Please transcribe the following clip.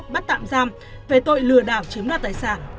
bắt tạm giam về tội lừa đảo chiếm đoạt tài sản